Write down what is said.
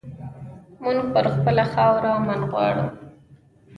مونږ پر خپله خاوره امن غواړو